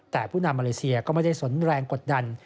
แต่ผู้นำมาเลเซียก็ไม่ได้สนแรงกดดัน